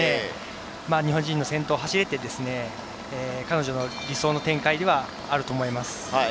日本人の先頭を走って彼女の理想の展開ではあると思います。